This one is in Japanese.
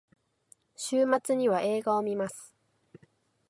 週末には映画を観ます。